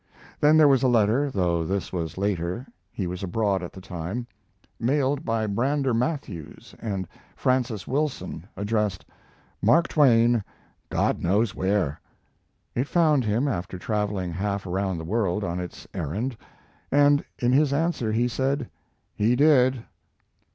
Then there was a letter (though this was later; he was abroad at the time), mailed by Brander Matthews and Francis Wilson, addressed, "Mark Twain, God Knows Where." It found him after traveling half around the world on its errand, and in his answer he said, "He did."